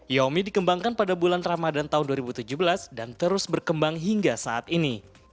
yaomi dikembangkan pada bulan ramadan tahun dua ribu tujuh belas dan terus berkembang hingga saat ini